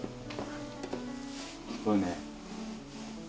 すごいね。